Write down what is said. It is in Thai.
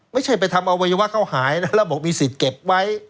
ไม่ใช่ไปทำอวัยวะเขาหายนะแล้วบอกมีสิทธิ์เก็บไว้